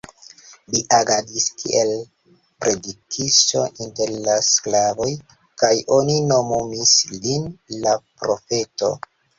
Li agadis kiel predikisto inter la sklavoj kaj oni nomumis lin "la profeto".